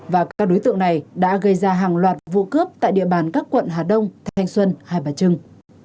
và các đối tượng này đã gây ra hàng loạt vụ cướp tại địa bàn các quận hà đông thanh xuân hai bà trưng